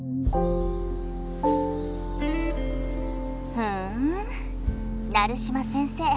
ふん成島先生